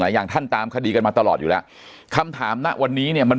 อย่างท่านตามคดีกันมาตลอดอยู่แล้วคำถามณวันนี้เนี่ยมัน